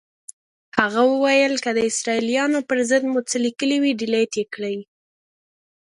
هغه ویل که د اسرائیلو پر ضد مو څه لیکلي وي، ډیلیټ یې کړئ.